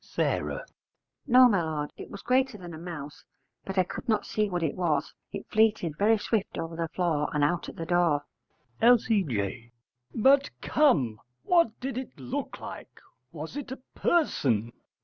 S. No, my lord, it was greater than a mouse, but I could not see what it was: it fleeted very swift over the floor and out at the door. L.C.J. But come; what did it look like? Was it a person?